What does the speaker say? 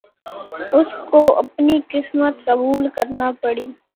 اس کو اپنی قسمت قبول کرنا پڑی۔